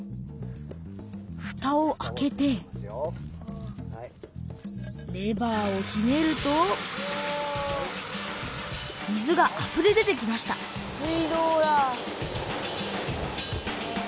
ふたを開けてレバーをひねると水があふれ出てきました水道だ。